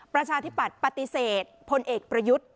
ประชาธิปัตย์ปฏิเสธพลเอกประยุทธ์